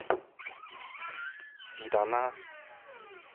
是但啦